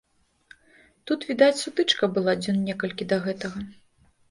Тут, відаць, сутычка была дзён некалькі да гэтага.